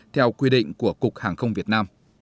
theo quy định của cục hàng không việt nam